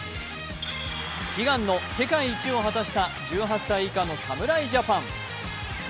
悲願の世界一を果たした１８歳以下の侍ジャパン。